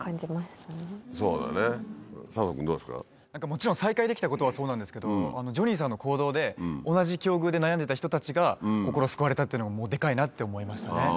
もちろん再会できたことはそうなんですけどあのジョニーさんの行動で同じ境遇で悩んでた人たちが心救われたっていうのがデカいなって思いましたね。